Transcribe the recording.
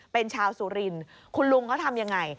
เป็นชาวสุรินคุณลุงเขาทำอย่างไร